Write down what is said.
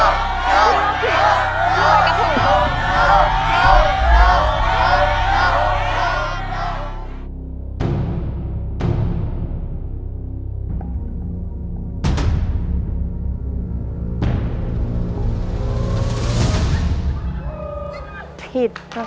นิ้วชี้นิ้วชี้